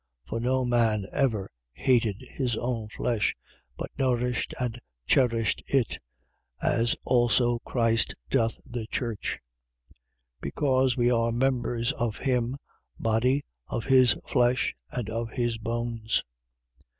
5:29. For no man ever hated his own flesh, but nourisheth and cherisheth it, as also Christ doth the church: 5:30. Because we are members of him, body, of his flesh and of his bones.